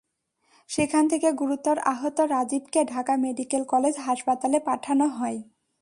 সেখান থেকে গুরুতর আহত রাজিবকে ঢাকা মেডিকেল কলেজ হাসপাতালে পাঠানো হয়।